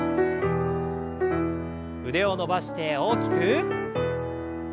腕を伸ばして大きく。